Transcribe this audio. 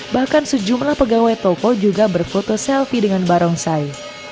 bahkan sejumlah pegawai toko juga berfoto selfie dengan barongsai